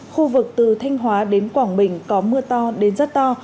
khu vực từ thanh hóa đến quảng bình có mưa to đến rất to